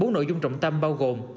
bốn nội dung trọng tâm bao gồm